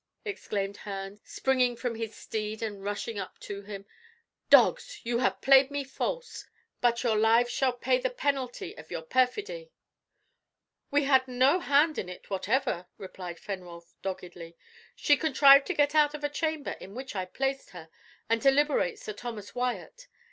exclaimed Herne, springing from his steed, and rushing up to him; "dogs! you have played me false. But your lives shall pay the penalty of your perfidy." "We had no hand in it whatever," replied Fenwolf doggedly. "She contrived to get out of a chamber in which I placed her, and to liberate Sir Thomas Wyat.